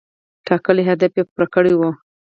ټاکلی هدف یې پوره کړی و.